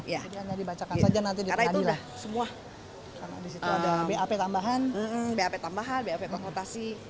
karena itu sudah semua karena di situ ada bap tambahan bap konfrontasi